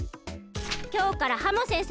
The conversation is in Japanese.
きょうからハモ先生